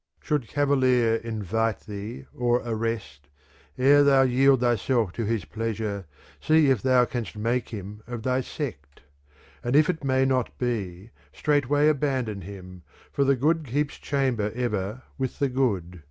Should cavalier invite thee or arrest, E'er thou yield thyself to his pleasure see if thou canst make him of thy sect ; and if it may not be, straightway abandon him, for the good keeps chamber ever with the good.